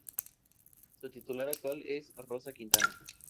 Su titular actual es Rosa Quintana.